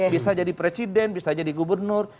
bisa jadi presiden bisa jadi gubernur